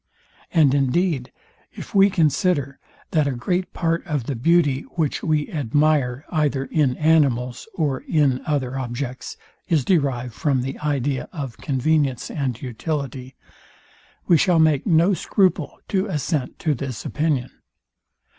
And indeed, if we consider, that a great part of the beauty, which we admire either in animals or in other objects, is derived from the idea of convenience and utility, we shall make no scruple to assent to this opinion.